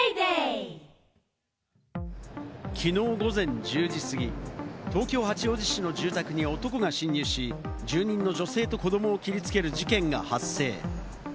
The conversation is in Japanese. きのう午前１０時過ぎ、東京・八王子市の住宅に男が侵入し、住人の女性と子どもを切りつける事件が発生。